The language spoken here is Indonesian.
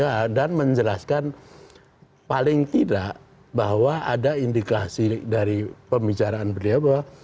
ya dan menjelaskan paling tidak bahwa ada indikasi dari pembicaraan beliau bahwa